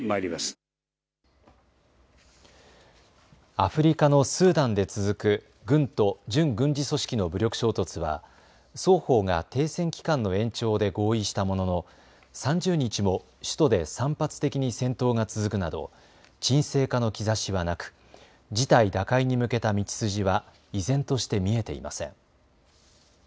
アフリカのスーダンで続く軍と準軍事組織の武力衝突は双方が停戦期間の延長で合意したものの３０日も首都で散発的に戦闘が続くなど沈静化の兆しはなく、事態打開に向けた道筋は依然として見えていません。